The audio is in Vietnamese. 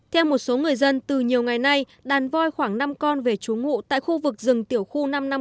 theo một số người dân từ nhiều ngày nay đàn voi khoảng năm con về trú ngụ tại khu vực rừng tiểu khu năm trăm năm mươi